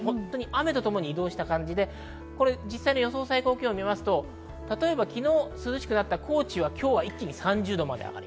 雨とともに移動した感じで、実際の予想最高気温を見ますと昨日、涼しくなった高知は今日は一気に３０度。